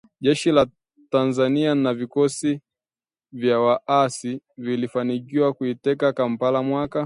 Jeshi la Tanzania na vikosi vya waasi vilifanikiwa kuiteka Kampala mwaka